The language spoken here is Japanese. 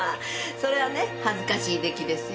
そりゃあね恥ずかしい出来ですよ。